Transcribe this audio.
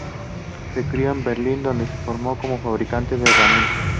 Se crio en Berlín, donde se formó como fabricante de herramientas.